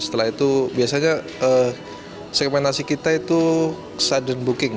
setelah itu biasanya segmentasi kita itu sudden booking